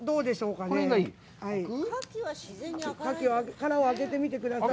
殻を開けてみてください。